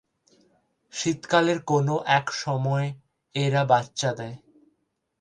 শীতকালের কোন এক সময় এরা বাচ্চা দেয়।